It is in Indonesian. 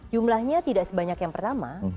jumlahnya tidak sebanyak yang pertama